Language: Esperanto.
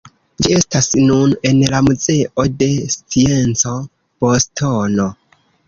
Ĝi estas nun en la muzeo de scienco, Bostono.